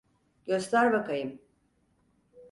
Göster bakayım.